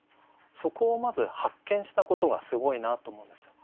そこをまず発見したことがすごいなと思うんですよ。